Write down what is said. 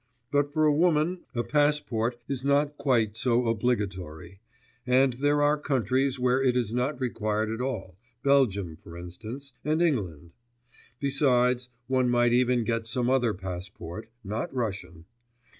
But for a woman a passport is not quite so obligatory, and there are countries where it is not required at all, Belgium, for instance, and England; besides, one might even get some other passport, not Russian.